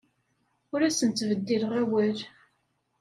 Ur asen-ttbeddileɣ awal.